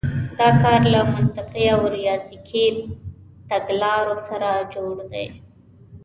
دا کار له منطقي او ریاضیکي تګلارو سره جوړ دی.